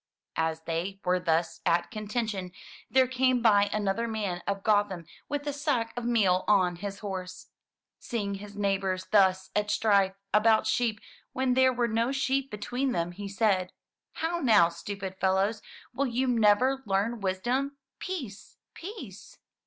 As they were thus at contention, there came by another man of Gotham with a sack of meal on his horse. Seeing his neighbors thus at strife about sheep when there were no sheep between them, he said, "How now, stupid fellows, will you never learn wisdom? Peace! Peace!"